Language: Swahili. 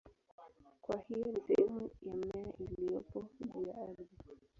Kwa hiyo ni sehemu ya mmea iliyopo juu ya ardhi.